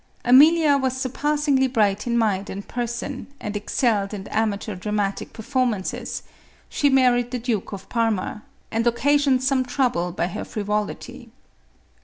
Amelia was sur passingly bright in mind and person, and excelled in amateur dramatic performances ; she married the Duke of Parma, and occasioned some trouble by her frivol ity.